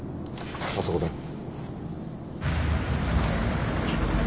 あそこだ。